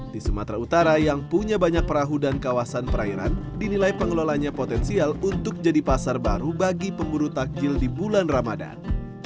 di sumatera utara yang punya banyak perahu dan kawasan perairan dinilai pengelolanya potensial untuk jadi pasar baru bagi pemburu takjil di bulan ramadan